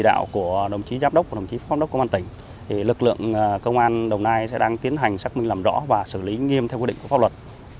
đồng nai sẽ đang tiến hành xác minh làm rõ và xử lý nghiêm theo quy định của pháp luật